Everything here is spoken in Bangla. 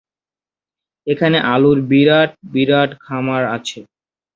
এখানে আলুর বিরাট বিরাট খামার আছে।